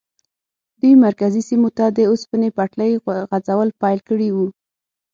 دوی مرکزي سیمو ته د اوسپنې پټلۍ غځول پیل کړي وو.